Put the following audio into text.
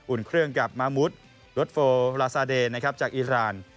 อุ่นเครื่องกับมามูธรัสโฟราซาเดจากอิราณ